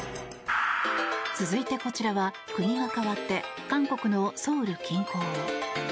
続いてこちらは国が変わって韓国のソウル近郊。